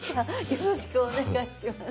よろしくお願いします。